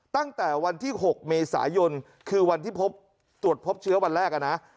ตั้งแต่วันที่๖เมษายนคือวันที่พบตรวจพบเชื้อวันแรกนะ